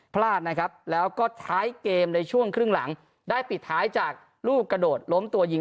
พลาดนะครับแล้วก็ท้ายเกมในช่วงครึ่งหลังได้ปิดท้ายจากลูกกระโดดล้มตัวยิง